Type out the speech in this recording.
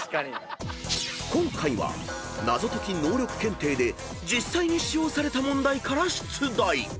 ［今回は謎解き能力検定で実際に使用された問題から出題］